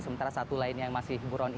sementara satu lain yang masih burun ini